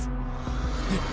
えっ？